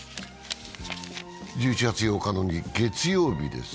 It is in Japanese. １１月８日の月曜日です。